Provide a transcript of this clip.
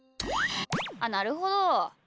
あっなるほど。